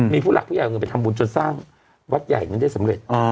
มีผู้หลักผู้ใหญ่เอาเงินไปทำบุญจนสร้างวัดใหญ่นั้นได้สำเร็จ